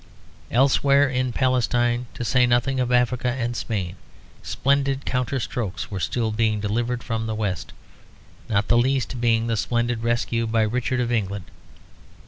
Elsewhere in Palestine, to say nothing of Africa and Spain, splendid counter strokes were still being delivered from the West, not the least being the splendid rescue by Richard of England.